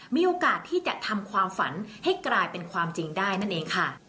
มีโอกาสที่จะทำความฝันให้กลายเป็นความจริงได้นั่นเองค่ะ